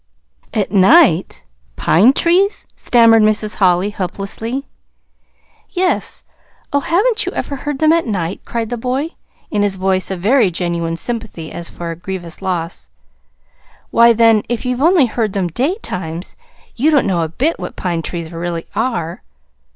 "At night? Pine trees?" stammered Mrs. Holly helplessly. "Yes. Oh, haven't you ever heard them at night?" cried the boy, in his voice a very genuine sympathy as for a grievous loss. "Why, then, if you've only heard them daytimes, you don't know a bit what pine trees really are.